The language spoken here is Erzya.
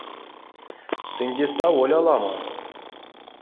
Сындест аволь аламо.